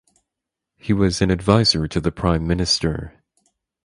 He was an adviser to the prime minister.